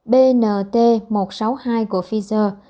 bnt một trăm sáu mươi hai của pfizer